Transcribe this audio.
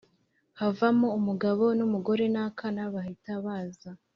havamo umugabo n’umugore n’akana bahita baza